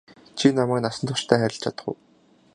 Чи намайг насан туршдаа хайрлаж чадах уу?